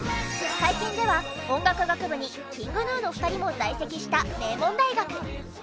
最近では音楽学部にＫｉｎｇＧｎｕの２人も在籍した名門大学。